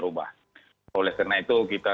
ubah oleh karena itu kita